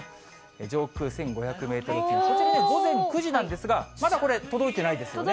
上空１５００メートル、こちら、午前９時なんですが、まだこれ、届いてないですよね。